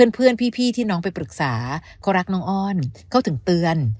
เพื่อนพี่ที่น้องไปปรึกษาเขารักน้องอ้อนเขาถึงเตือน